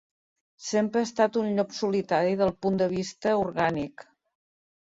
Sempre ha estat un ‘llop solitari’, del punt de vista orgànic.